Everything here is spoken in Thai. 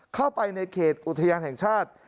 เข้าไปในเขตอุทยานแห่งชาติ